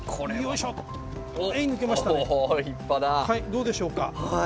どうでしょうか？